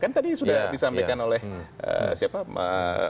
kan tadi sudah disampaikan oleh siapa